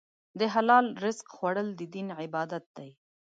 د حلال رزق خوړل د دین عبادت دی.